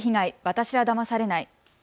私はだまされない。